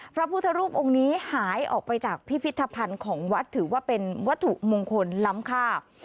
พระพุทธรูปองค์นี้หายออกไปจากพิพิธภัณฑ์ของวัดถือว่าเป็นวัตถุมงคลล้ำค่า